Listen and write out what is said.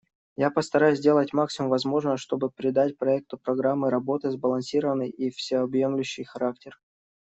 Я постараюсь сделать максимум возможного, чтобы придать проекту программы работы сбалансированный и всеобъемлющий характер.